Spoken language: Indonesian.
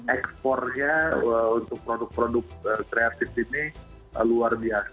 ekspornya untuk produk produk kreatif ini luar biasa